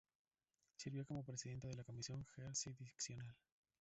Sirvió como Presidenta de la Comisión Jurisdiccional.